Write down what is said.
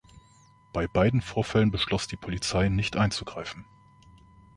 Bei beiden Vorfällen beschloss die Polizei, nicht einzugreifen.